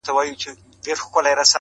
زما نه پلار خفه دے